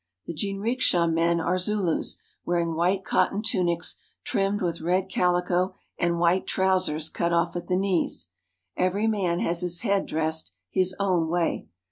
The jinriksha men are Zulus, wearing white cotton tunics trimmed with red calico, and white trousers, cut off at the knees. Every man has his head dressed his own way.